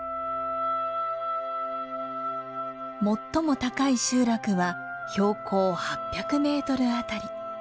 最も高い集落は標高８００メートル辺り。